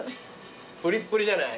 プリップリじゃない？